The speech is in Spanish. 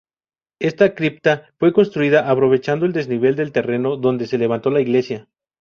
Esta cripta fue construida aprovechando el desnivel del terreno donde se levantó la iglesia.